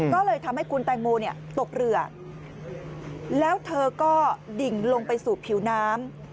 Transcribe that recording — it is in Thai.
ก็เลยทำให้คุณแตงโมตกเรือแล้วเธอก็ดิ่งลงไปสู่ผิวน้ำ